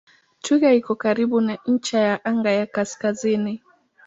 Twiga iko karibu na ncha ya anga ya kaskazini.